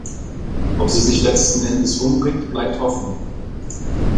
Ob sie sich letzten Endes umbringt, bleibt offen.